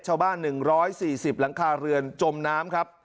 ชาวบ้าน๑๔๐หลังคาเรือนจมน้ำครับ